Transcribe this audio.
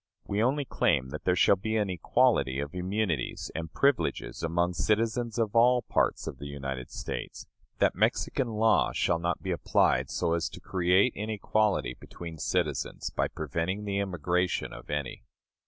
We only claim that there shall be an equality of immunities and privileges among citizens of all parts of the United States; that Mexican law shall not be applied so as to create inequality between citizens, by preventing the immigration of any.